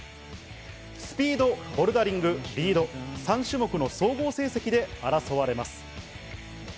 スピード、ボルダリング、リード、３種目の総合成績で争われます。